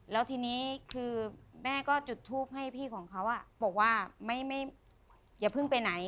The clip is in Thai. แล้วทีนี้คือแม่ก็จุดทูปให้พี่ของเขาบอกว่าอย่าเพิ่งไปไหน